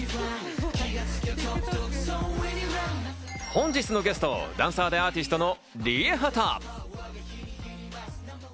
本日のゲスト、ダンサーでアーティストのＲＩＥＨＡＴＡ。